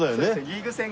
リーグ戦。